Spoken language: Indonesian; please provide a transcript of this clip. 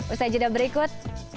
usai jidat berikut